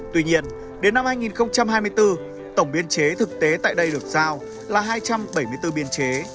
tuy nhiên đến năm hai nghìn hai mươi bốn tổng biên chế thực tế tại đây được giao là hai trăm bảy mươi bốn biên chế